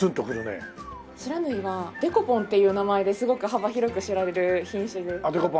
不知火はデコポンっていう名前ですごく幅広く知られる品種で。